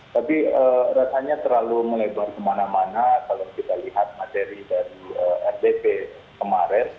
tapi rasanya terlalu melebar kemana mana kalau kita lihat materi dari rdp kemarin